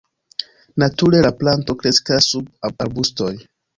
Nature la planto kreskas sub arbustoj.